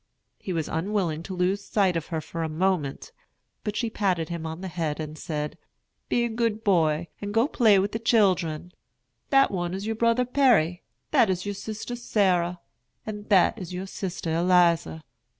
He was unwilling to lose sight of her for a moment; but she patted him on the head, and said, "Be a good boy, and go and play with the children. That one is your brother Perry, that is your sister Sarah, and that is your sister Eliza."